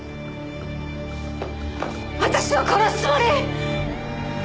私を殺すつもり！？